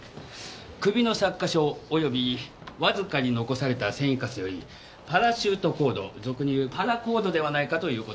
首の擦過傷およびわずかに残された繊維カスよりパラシュートコード俗に言うパラコードではないかという事です。